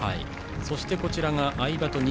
そして、相葉と西。